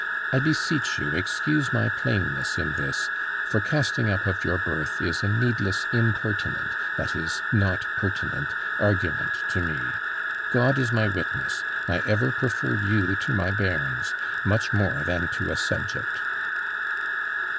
I beseech you excuse my plainness in this, for casting up of your birth is a needless impertinent (that is, not pertinent) argument to me. God is my witness, I ever preferred you to my bairns, much more than to a subject."